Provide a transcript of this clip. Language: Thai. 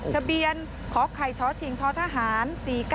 ทะเบียนขอไข่ช้อชิงช้อทหาร๔๙๓